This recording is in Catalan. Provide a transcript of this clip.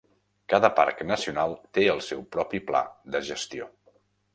Cada parc nacional té el seu propi pla de gestió.